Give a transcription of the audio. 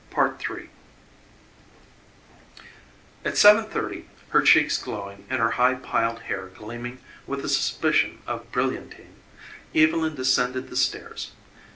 III At seven thirty, her cheeks glowing and her high piled hair gleaming with a suspicion of brilliantine, Evylyn descended the stairs.